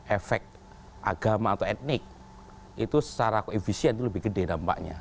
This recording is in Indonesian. efek agama atau etnik itu secara koefisien itu lebih gede dampaknya